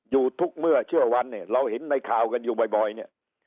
อยู่ทุกเมื่อเชื่อวันเนี่ยเราเห็นในข่าวกันอยู่บ่อยเนี่ย